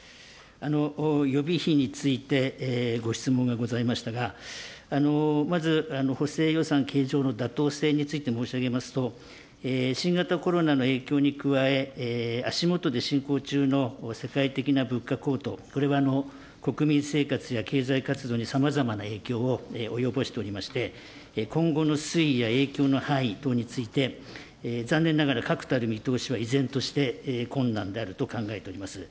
予備費についてご質問がございましたが、まず補正予算計上の妥当性について申し上げますと、新型コロナの影響に加え、足下で進行中の世界的な物価高騰、これは国民生活や経済活動にさまざまな影響を及ぼしておりまして、今後の推移や影響の範囲等について、残念ながら確たる見通しは依然として困難であると考えております。